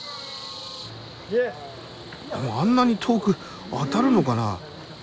でもあんなに遠く当たるのかな。